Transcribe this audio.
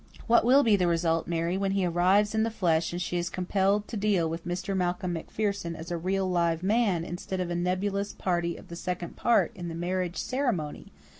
"What will be the result, Mary, when he arrives in the flesh and she is compelled to deal with 'Mr. Malcolm MacPherson' as a real, live man, instead of a nebulous 'party of the second part' in the marriage ceremony?"